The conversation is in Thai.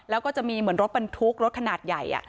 แล้วก็จะมีเหมือนรถบรรทุกรถขนาดใหญ่